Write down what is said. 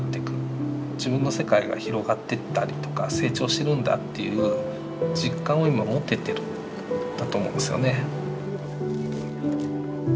自分の世界が広がってったりとか成長してるんだっていう実感を今持ててるんだと思うんですよね。